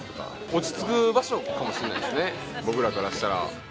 落ち着く場所かもしれないですね、僕らからしたら。